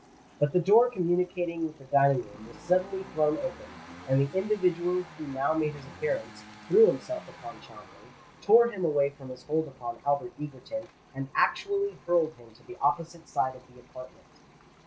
But the door communicating with the dining room was suddenly thrown open, and the individual who now made his appearance, threw himself upon Cholmondeley, tore him away from his hold upon Albert Egerton, and actually hurled him to the opposite side of the apartment.